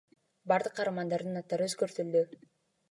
Бардык каармандардын аттары өзгөртүлдү.